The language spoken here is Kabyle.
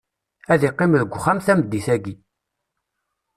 Ad iqqim deg uxxam tameddit-aki.